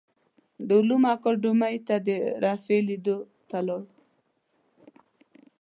د علومو اکاډیمۍ ته د رفیع لیدو ته لاړو.